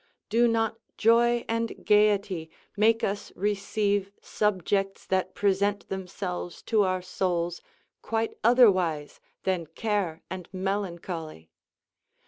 Do not joy and gayety make us receive subjects that present themselves to our souls quite otherwise than care and melancholy?